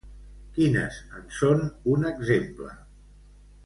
Quines en són un exemple?